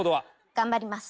頑張ります。